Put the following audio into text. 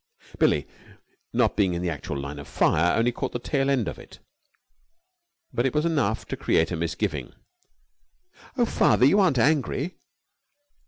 Billie, not being in the actual line of fire, only caught the tail end of it, but it was enough to create a misgiving. "Oh, father! You aren't angry."